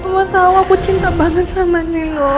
mama tau aku cinta banget sama nino